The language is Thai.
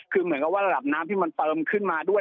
คือเหมือนกับว่าระดับน้ำที่มันเติมขึ้นมาด้วย